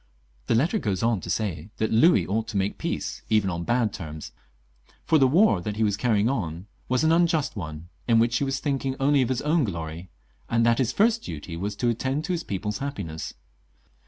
The letter goes on to say that Louis ought to make peace, even on bad terms, for that the war he was carrying on was an unjusf one, in which he was thinking only of his own glory, and tljat his first duty was to attend to his people's happiness.